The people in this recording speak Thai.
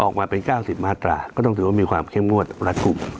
ออกมาเป็น๙๐มาตราก็ต้องถือว่ามีความเข้มงวดรัฐกลุ่ม